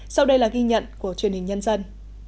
sau đây là ghi nhận của truyền hình nhân dân